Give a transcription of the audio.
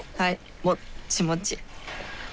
もっちもち